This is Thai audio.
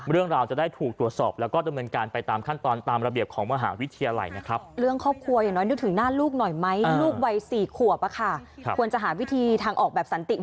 เรื่องราวจะได้ถูกตรวจสอบแล้วก็ดำเนินการไปตามขั้นตอนตามระเบียบของมหาวิทยาลัยนะครับ